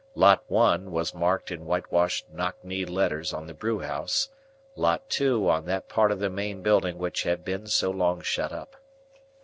LOT 1 was marked in whitewashed knock knee letters on the brew house; LOT 2 on that part of the main building which had been so long shut up.